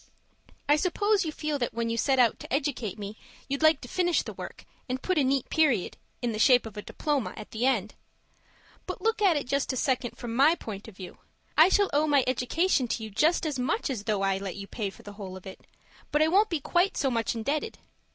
I suppose you feel that when you set out to educate me, you'd like to finish the work, and put a neat period, in the shape of a diploma, at the end. But look at it just a second from my point of view. I shall owe my education to you just as much as though I let you pay for the whole of it, but I won't be quite so much indebted.